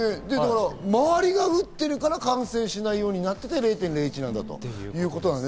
周りが打ってるから感染しないようになって０．０１ということだね。